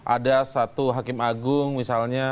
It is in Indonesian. ada satu hakim agung misalnya